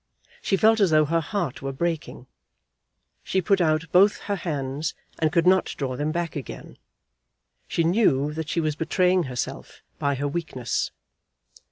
She felt as though her heart were breaking. She put out both her hands and could not draw them back again. She knew that she was betraying herself by her weakness.